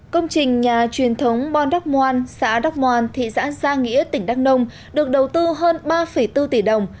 công trình nhà truyền thống bon dac moan xã dac moan thị xã giang nghĩa tỉnh đắk nông được đầu tư hơn ba bốn tỷ đồng